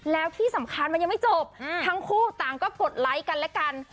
แล้วที่สำคัญมันยังไม่จบทั้งคู่ต่างก็กดไลค์กันและกัน